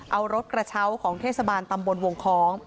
เอารถกระเช้าของเทศบาลตำบลวงคล้อง